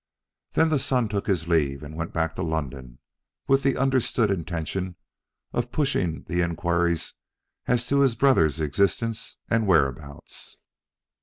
Then the son took his leave, and went back to London, with the understood intention of pushing the inquiries as to his brother's existence and whereabouts.